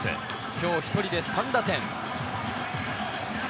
今日、１人で３打点。